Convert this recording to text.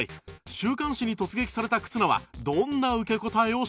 週刊誌に突撃された忽那はどんな受け答えをしたのか？